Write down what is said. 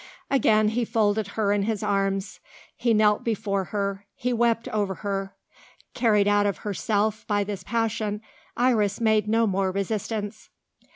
Again he folded her in his arms; he knelt before her; he wept over her. Carried out of herself by this passion, Iris made no more resistance.